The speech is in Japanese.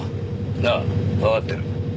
ああわかってる。